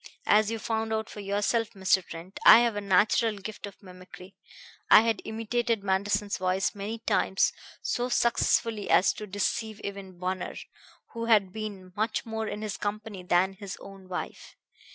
"As you found out for yourself, Mr. Trent, I have a natural gift of mimicry. I had imitated Manderson's voice many times so successfully as to deceive even Bunner, who had been much more in his company than his own wife.